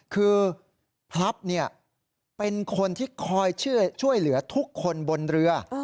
คือพลับเป็นคนที่คอยช่วยเหลือทุกคนบนเรือ